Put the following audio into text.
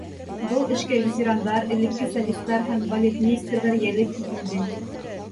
Был эшкә ветерандар, элекке солистар һәм балетмейстерҙар йәлеп ителде.